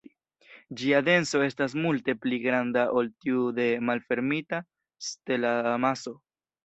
Ĝia denso estas multe pli granda ol tiu de malfermita stelamaso.